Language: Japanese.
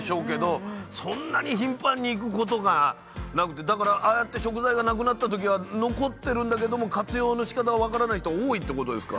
そんなに頻繁に行くことがなくてだからああやって食材が無くなった時は残ってるんだけども活用のしかたが分からない人多いってことですか？